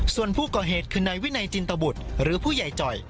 ส่วนผู้ก่อเหตุคือนายวินัยจินตบุตรหรือผู้ใหญ่จ่อย